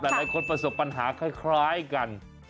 หลายคนประสบปัญหาคล้ายกัน